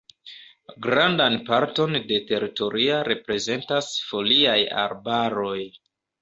Grandan parton de teritoria reprezentas foliaj arbaroj.